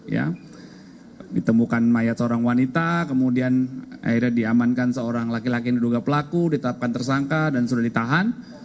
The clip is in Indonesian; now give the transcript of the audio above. ya ditemukan mayat seorang wanita kemudian akhirnya diamankan seorang laki laki yang diduga pelaku ditetapkan tersangka dan sudah ditahan